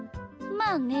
まあね。